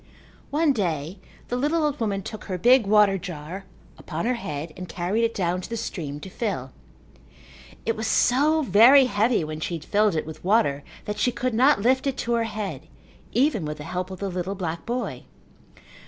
One day the little old woman took her big water jar upon her head and carried it down to the stream to fill. It was so very heavy when she had filled it with water that she could not lift it to her head even with the help of the little black boy.